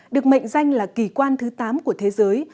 được mệnh danh là kỳ quan thứ tám của thế giới